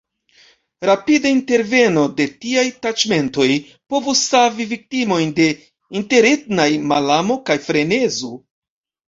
Rapida interveno de tiaj taĉmentoj povus savi viktimojn de interetnaj malamo kaj frenezo.